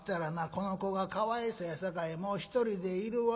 この子がかわいそうやさかいもう一人でいるわ』